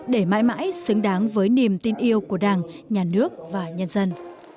để mãi mãi xứng đáng với niềm tin yêu của đảng nhà nước và nhân dân